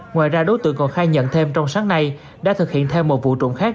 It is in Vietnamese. ngoài ra đối tượng còn khai nhận thêm trong sáng nay đã thực hiện thêm một vụ trộm khác